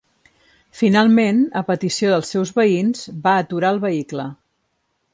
Finalment, a petició dels seus veïns, va aturar el vehicle.